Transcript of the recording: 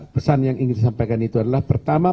pesan yang ingin disampaikan itu adalah pertama